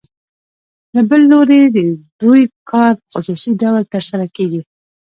له بل لوري د دوی کار په خصوصي ډول ترسره کېږي